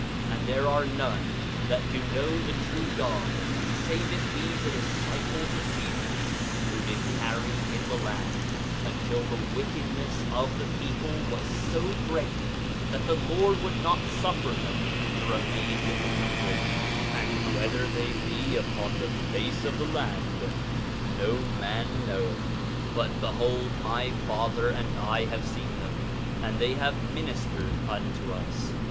8:10 And there are none that do know the true God save it be the disciples of Jesus, who did tarry in the land until the wickedness of the people was so great that the Lord would not suffer them to remain with the people; and whether they be upon the face of the land no man knoweth. 8:11 But behold, my father and I have seen them, and they have ministered unto us.